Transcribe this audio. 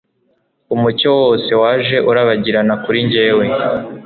Umucyo wose waje urabagirana kuri njyewe